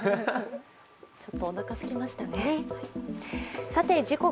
ちょっとおなかすきましたね。